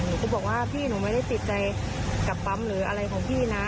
หนูก็บอกว่าพี่หนูไม่ได้ติดใจกับปั๊มหรืออะไรของพี่นะ